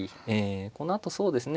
このあとそうですね